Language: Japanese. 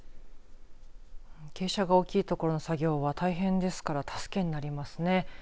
傾斜が大きい所の作業は大変ですから助けになりますね。